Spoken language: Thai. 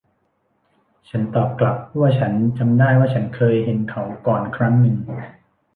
ฉันตอบกลับว่าฉันจำได้ว่าฉันเคยเห็นเขาก่อนครั้งหนึ่ง